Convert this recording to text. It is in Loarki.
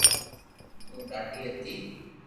او ڌادي ھتي